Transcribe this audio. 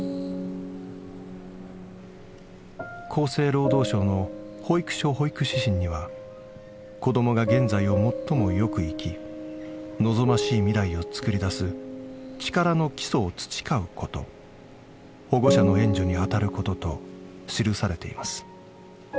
厚生労働省の保育所保育指針には「子どもが現在を最も良く生き望ましい未来をつくり出す力の基礎を培うこと」「保護者の援助に当たること」と記されています。